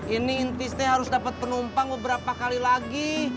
ini intisnya harus dapat penumpang beberapa kali lagi